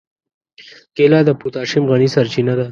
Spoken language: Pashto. کېله د پوتاشیم غني سرچینه ده.